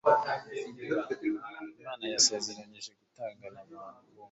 Imana yasezeranye gutangana ubuntu